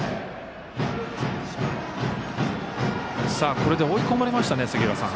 これで追い込まれましたね杉浦さん。